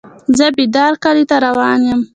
زه بیداد کلی ته روان یم.